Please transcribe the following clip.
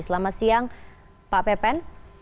selamat siang pak pepen